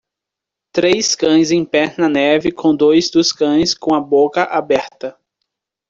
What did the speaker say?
Três cães em pé na neve com dois dos cães com a boca aberta.